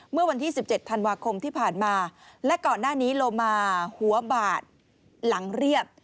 เมื่อวันที่๑๗ธันวาคมที่ผ่านมาและก่อนหน้านี้โลมาหัวบาดหลังเรียบ